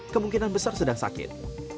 kemungkinan besar sedang sakit